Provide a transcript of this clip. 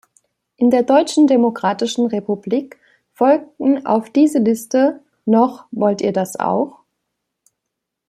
In der Deutschen Demokratischen Republik folgten auf diese Liste noch "Wollt ihr das auch?